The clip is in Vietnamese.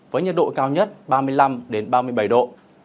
với nhiệt độ cao nhất ba mươi năm ba mươi bảy độ